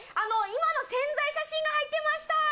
今の宣材写真が入ってました